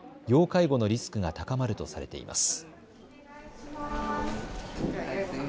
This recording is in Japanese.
介護のリスクが高まるとされています。